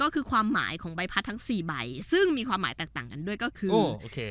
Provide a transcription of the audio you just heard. ก็คือความหมายของใบพัดทั้ง๔ใบซึ่งมีความหมายแตกต่างกันด้วยก็คือโอเค